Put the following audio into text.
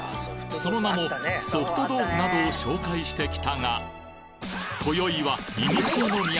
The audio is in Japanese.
その名もソフト豆腐などを紹介してきたが今宵は古の都